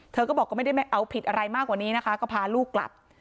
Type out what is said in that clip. เธอก็บอกก็ไม่ได้เอาผิดอะไรมากกว่านี้นะคะก็พาลูกกลับ